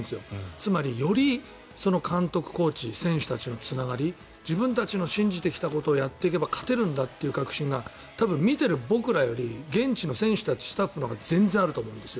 つまり、より監督、コーチ選手たちのつながり自分たちの信じてきたことをやっていけば勝てるんだっていう確信が多分見ている僕らより現地の選手たちスタッフのほうが全然あると思うんですよ。